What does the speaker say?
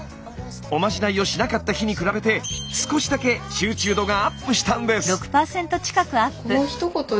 おまじないをしなかった日に比べて少しだけ集中度がアップしたんです。